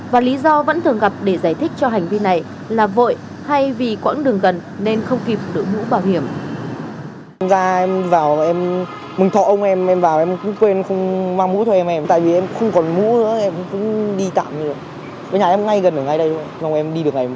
và lý do vẫn thường gặp để giải thích cho hành vi này là vội hay vì quãng đường gần nên không kịp đội mũ bảo hiểm